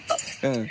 うん。